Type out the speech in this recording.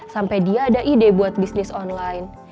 sampai dia ada ide buat bisnis online